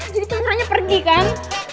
jadi pangerannya pergi kan